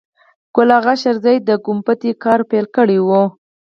ګل آغا شېرزی د ګومبتې کار پیل کړی و.